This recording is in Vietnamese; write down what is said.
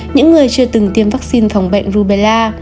những người chưa từng tiêm vaccine thòng bệnh rubella